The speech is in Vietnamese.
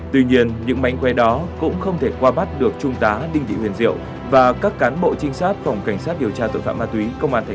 tuy nhiên những mảnh que đó cũng không thể qua bắt được trung tá đinh vị huyền diệu và các cán bộ trinh sát phòng cảnh sát điều tra tội phạm ma túy công an tp hà nội